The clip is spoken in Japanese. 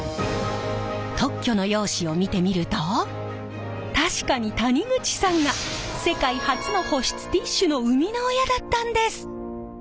特許の用紙を見てみると確かに谷口さんが世界初の保湿ティッシュの生みの親だったんです！